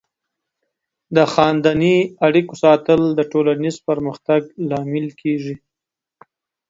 د خاندنۍ اړیکو ساتل د ټولنیز پرمختګ لامل کیږي.